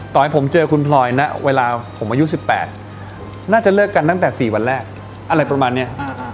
ให้ผมเจอคุณพลอยนะเวลาผมอายุ๑๘น่าจะเลิกกันตั้งแต่๔วันแรกอะไรประมาณนี้